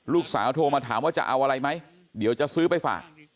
โทรมาถามว่าจะเอาอะไรไหมเดี๋ยวจะซื้อไปฝาก